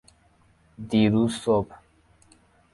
دیروز صبح